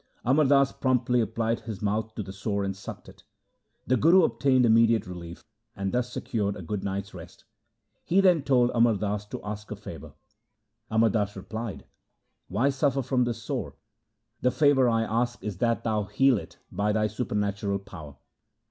Amar Das promptly applied his mouth to the sore and sucked it. The Guru obtained imme diate relief and thus secured a good night's rest. He then told Amar Das to ask a favour. Amar Das replied, ' Why suffer from this sore ? The favour I ask is that thou heal it by thy supernatural power.'